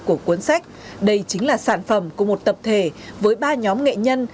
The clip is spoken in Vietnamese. của cuốn sách đây chính là sản phẩm của một tập thể với ba nhóm nghệ nhân